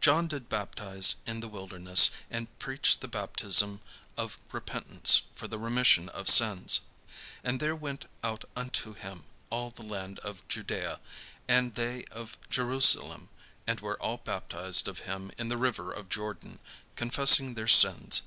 John did baptize in the wilderness, and preach the baptism of repentance for the remission of sins. And there went out unto him all the land of Judaea, and they of Jerusalem, and were all baptized of him in the river of Jordan, confessing their sins.